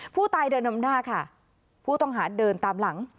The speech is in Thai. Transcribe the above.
ผู้ตายเดินนำหน้าค่ะผู้ต้องหาเดินตามหลัง